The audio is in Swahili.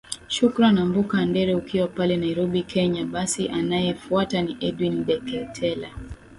shukran amboka andere ukiwa pale nairobi kenya basi anayefuata ni edwin deketela